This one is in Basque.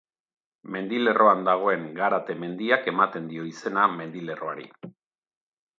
Mendilerroan dagoen Garate mendiak ematen dio izena mendilerroari.